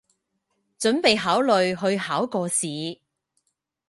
準備考慮去考個試